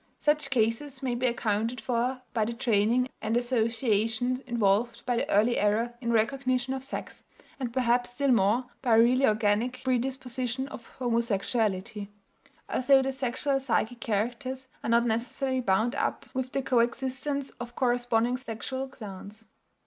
Such cases may be accounted for by the training and associations involved by the early error in recognition of sex, and perhaps still more by a really organic predisposition to homosexuality, although the sexual psychic characters are not necessarily bound up with the coexistence of corresponding sexual glands.